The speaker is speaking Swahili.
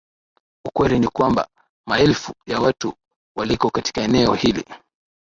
ukweli ni kwamba maelfu ya watu waliko katika eneo hili